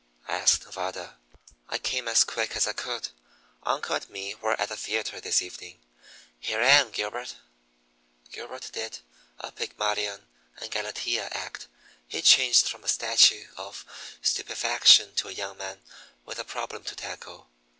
asked Nevada. "I came as quick as I could. Uncle and me were at the theatre this evening. Here I am, Gilbert!" Gilbert did a Pygmalion and Galatea act. He changed from a statue of stupefaction to a young man with a problem to tackle.